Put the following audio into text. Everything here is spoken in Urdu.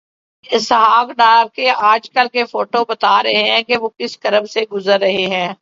اسحاق ڈار کے آج کل کے فوٹوبتا رہے ہیں کہ وہ کس کرب سے گزر رہے ہیں۔